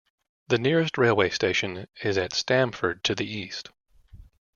The nearest railway station is at Stamford to the east.